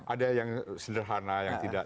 ada yang sederhana yang tidak